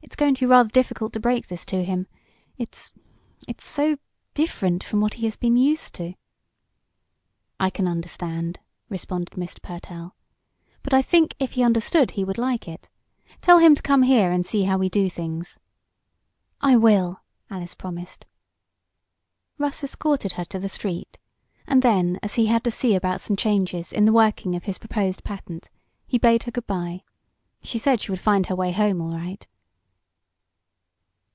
"It's going to be rather difficult to break this to him. It it's so different from what he has been used to." "I can understand," responded Mr. Pertell. "But I think if he understood he would like it. Tell him to come here and see how we do things." "I will!" Alice promised. Russ escorted her to the street, and then, as he had to see about some changes in the working of his proposed patent, he bade her good bye. She said she would find her way home all right.